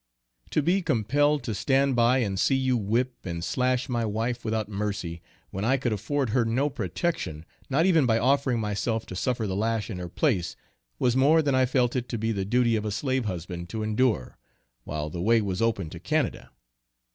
To be compelled to stand by and see you whip and slash my wife without mercy, when I could afford her no protection, not even by offering myself to suffer the lash in her place, was more than I felt it to be the duty of a slave husband to endure, while the way was open to Canada.